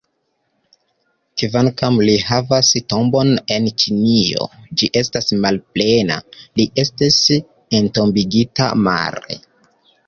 Kvankam li havas tombon en Ĉinio, ĝi estas malplena: li estis entombigita mare.